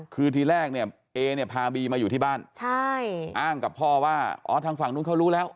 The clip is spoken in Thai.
คือทีแรกเนี่ยเอเนี่ยพาบีมาอยู่ที่บ้านใช่อ้างกับพ่อว่าอ๋อทางฝั่งนู้นเขารู้แล้ว